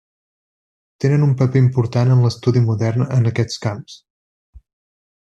Tenen un paper important en l'estudi modern en aquests camps.